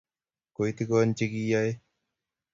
Koitigon che kiyae